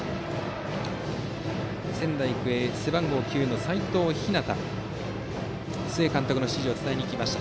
仙台育英、背番号９の齋藤陽が須江監督の指示を伝えにいきました。